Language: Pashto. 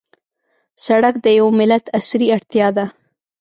سړک د یوه ملت عصري اړتیا ده.